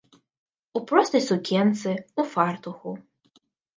У простай сукенцы, у фартуху.